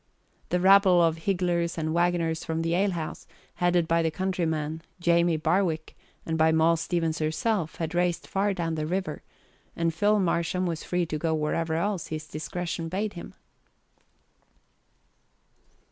The rabble of higglers and waggoners from the alehouse, headed by the countryman, Jamie Barwick, and by Moll Stevens herself, had raced far down the river, and Phil Marsham was free to go wherever else his discretion bade him.